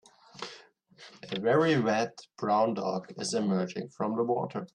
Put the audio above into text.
A very wet brown dog is emerging from the water.